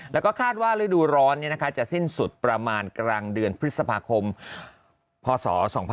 แล้วก็คาดว่าฤดูร้อนจะสิ้นสุดประมาณกลางเดือนพฤษภาคมพศ๒๕๖๒